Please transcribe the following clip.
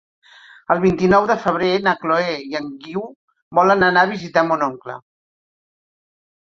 El vint-i-nou de febrer na Chloé i en Guiu volen anar a visitar mon oncle.